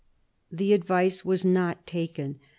The advice was not taken.